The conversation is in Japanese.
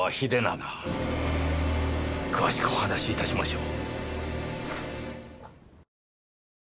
詳しくお話し致しましょう。